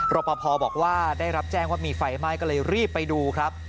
รอปภบอกว่าได้รับแจ้งว่ามีไฟไหม้ก็เลยรีบไปดูครับ